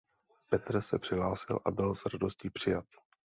Petr se přihlásil a byl s radostí přijat.